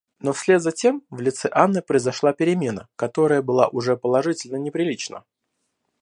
Но вслед затем в лице Анны произошла перемена, которая была уже положительно неприлична.